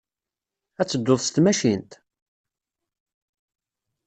Ad tedduḍ s tmacint?